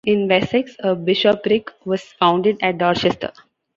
In Wessex, a bishopric was founded at Dorchester.